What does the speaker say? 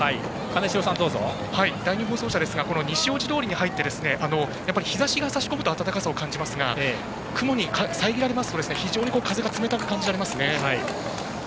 伊藤さん、第２放送車ですが西大路通に入って日ざしが差し込むと暖かさを感じますが雲に遮られますと非常に風が冷たく感じられますね。